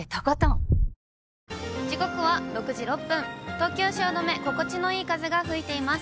東京・汐留、心地のいい風が吹いています。